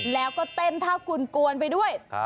แล้วก็เต้นเท่าคุณกวนไปด้วย